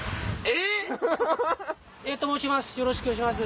エーと申します